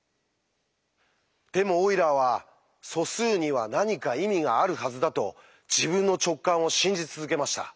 でもオイラーは素数には何か意味があるはずだと自分の直感を信じ続けました。